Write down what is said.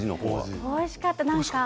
おいしかったです。